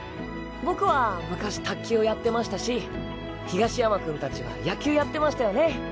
僕は昔卓球をやってましたし東山君達は野球やってましたよね。